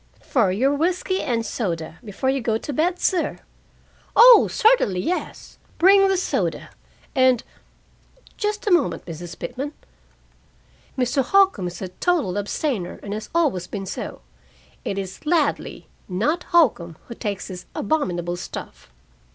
"For your whisky and soda, before you go to bed, sir." "Oh, certainly, yes. Bring the soda. And just a moment, Mrs. Pitman: Mr. Holcombe is a total abstainer, and has always been so. It is Ladley, not Holcombe, who takes this abominable stuff."